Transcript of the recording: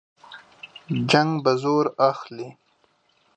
جنګ به زور اخلي.